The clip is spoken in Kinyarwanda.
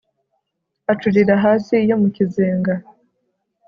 Acurira hasi iyo mu kizenga